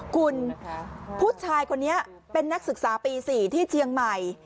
คุณผู้ชายคนนี้เป็นนักศึกษาปี๔ที่เชียงใหม่